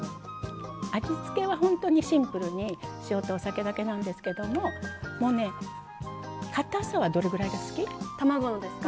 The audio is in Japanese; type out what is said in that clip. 味付けは本当にシンプルに塩とお酒だけなんですけどもかたさはどれぐらいが好き？卵のですか？